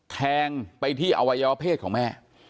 แทงไปที่อวัยวะเพศของแม่